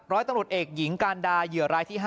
ร้อยตำรวจเอกหญิงการดาเหยื่อรายที่๕